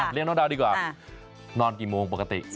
เลี้ยงน้องดาวดีกว่านอนกี่โมงปกติ